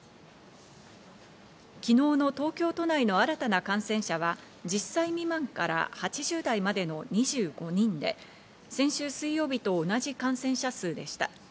昨日の東京都内の新たな感染者は、１０歳未満から８０代までの２５人で、先週水曜日と同じ感染者数でした。